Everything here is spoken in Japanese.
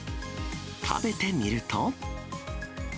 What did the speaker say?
食べてみると。